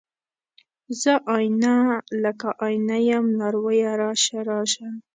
زه آئينه، لکه آئینه یم لارویه راشه، راشه